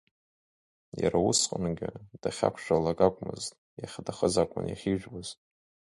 Иара усҟангьы дахьақәшәалак акәмызт, иахьаҭахыз акәын иахьижәуаз.